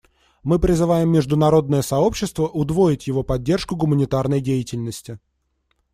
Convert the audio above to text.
Мы призываем международное сообщество удвоить его поддержку гуманитарной деятельности.